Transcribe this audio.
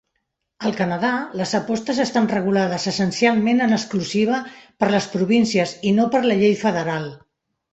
Al Canada, les apostes estan regulades essencialment en exclusiva per les províncies i no per la llei federal.